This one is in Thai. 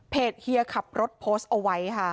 เพจเฮียขับรถโพสเอาไว้ค่ะ